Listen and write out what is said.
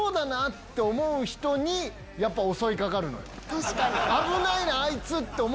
確かに！